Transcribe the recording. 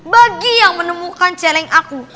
bagi yang menemukan celeng aku